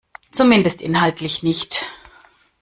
Zumindest inhaltlich nicht.